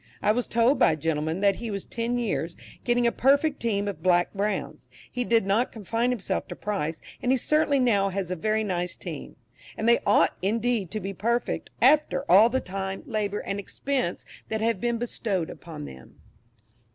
I was told by a gentleman, that he was ten years, getting a perfect team of black browns; he did not confine himself to price, and he certainly now has a very nice team and they ought indeed to be perfect, after all the time, labour and expense that have been bestowed upon them.